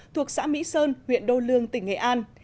thuộc xã mỹ sơn huyện đô lương tỉnh nghệ an